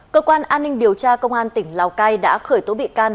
cơ quan an ninh điều tra công an tỉnh lào cai đã khởi tố bị can